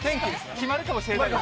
決まるかもしれない。